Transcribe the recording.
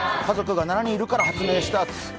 家族が７人いるから発明した。